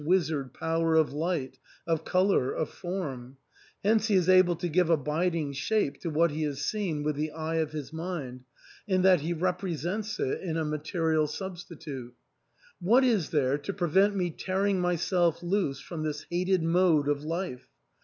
wizard power of light, of colour, of form ; hence he is | able to give abiding shape to what he has seen with the eye of his mind, in that he represents it in a \ material substitute. What is there to prevent me tear ing myself loose from this hated mode of life